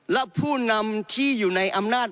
และผู้นำที่อยู่ในอำนาจ